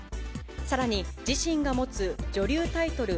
さらに、自身が持つ女流タイトル